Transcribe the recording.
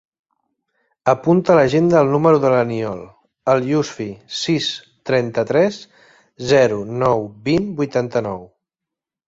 Apunta a l'agenda el número de l'Aniol El Yousfi: sis, trenta-tres, zero, nou, vint, vuitanta-nou.